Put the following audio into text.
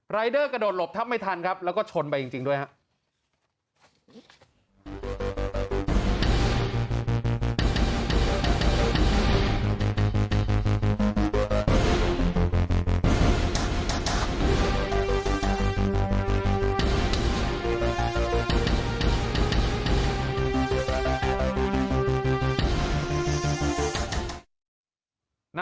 เดอร์กระโดดหลบทับไม่ทันครับแล้วก็ชนไปจริงด้วยครับ